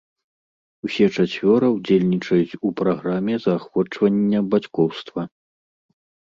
Усе чацвёра ўдзельнічаюць у праграме заахвочвання бацькоўства.